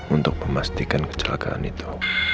untuk memastikan kecelakaan itu